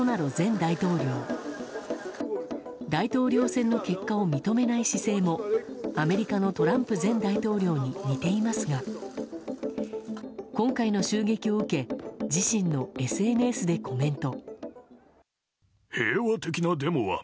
大統領選の結果を認めない姿勢もアメリカのトランプ前大統領に似ていますが今回の襲撃を受け自身のＳＮＳでコメント。